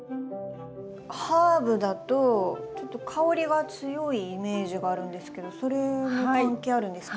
ハーブだとちょっと香りが強いイメージがあるんですけどそれも関係あるんですか？